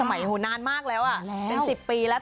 นานมากแล้วเป็น๑๐ปีแล้ว